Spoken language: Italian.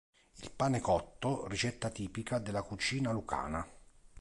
Il pane cotto, ricetta tipica della cucina lucana.